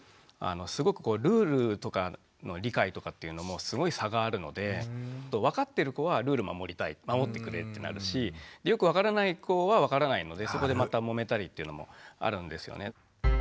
すごくこうルールとかの理解とかっていうのもすごい差があるので分かってる子はルール守りたい守ってくれってなるしよく分からない子は分からないのでそこでまたもめたりっていうのもあるんですよね。